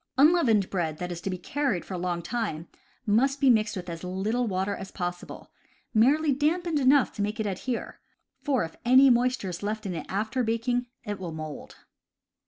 Unleavened bread that is to be carried for a long time must be mixed with as little water as possible (merely dampened enough to make it adhere), for if any moisture is left in it after baking, it will mold.